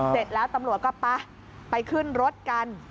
เสร็จแล้วตำรวจก็ไปไปขึ้นรถกัน